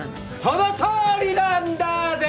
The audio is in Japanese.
そのとおりなんだＺＥ！